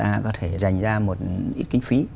để người ta có thể dành ra một ít kinh phí